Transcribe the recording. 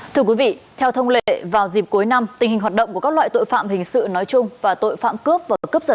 thưa quý vị theo thông lệ vào dịp cuối năm tình hình hoạt động của các loại tội phạm hình sự nói chung và tội phạm cướp và cướp giật